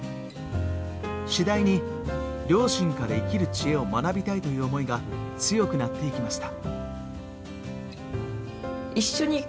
次第に両親から生きる知恵を学びたいという思いが強くなっていきました。